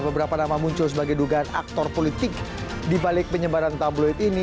beberapa nama muncul sebagai dugaan aktor politik dibalik penyebaran tabloid ini